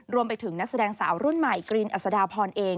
รวมไปถึงนักแสดงสาวรุ่นใหม่กรีนอสดาพรเอง